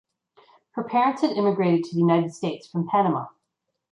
Her parents had immigrated to the United States from Panama.